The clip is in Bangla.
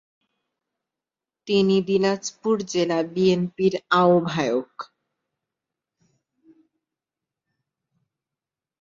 তিনি দিনাজপুর জেলা বিএনপির আহ্বায়ক।